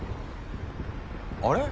あれ？